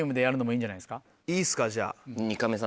いいっすかじゃあ。